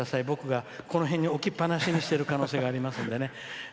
僕が、この辺に置きっぱなしにしている可能性がありますからね。